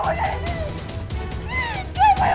pergi dari rumah ini